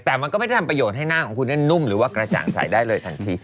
แต่มันก็ไม่ได้ทำประโยชน์ให้หน้าของคุณนุ่มหรือว่ากระจ่างใสได้เลยทันที